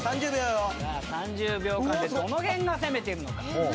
さあ３０秒間でどの辺が攻めてるのか。